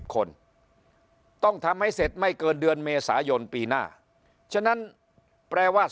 คนต้องทำให้เสร็จไม่เกินเดือนเมษายนปีหน้าฉะนั้นแปลว่า